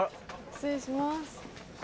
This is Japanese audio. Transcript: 失礼します。